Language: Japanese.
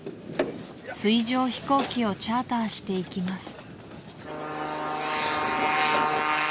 水上飛行機をチャーターして行きます